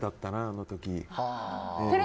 あの時。